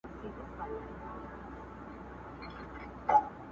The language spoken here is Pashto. زما له زخمي کابله ویني څاڅي!.